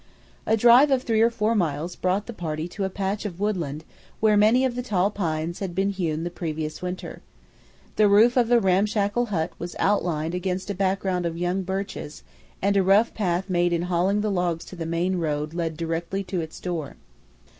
A drive of three or four miles brought the party to a patch of woodland where many of the tall pines had been hewn the previous winter. The roof of a ramshackle hut was outlined against a background of young birches, and a rough path made in hauling the logs to the main road led directly to its door.